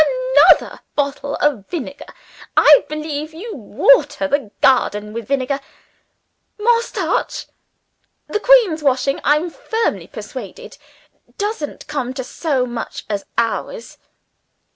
"Another bottle of vinegar? I believe you water the garden with vinegar! More starch? The Queen's washing, I'm firmly persuaded, doesn't come to so much as ours.